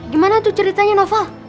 gimana tuh ceritanya novel